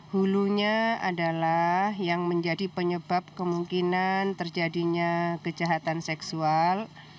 hulunya adalah yang menjadi penyebab kemungkinan terjadinya kejahatan seksual